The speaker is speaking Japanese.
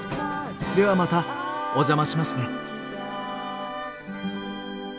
ではまたお邪魔しますね。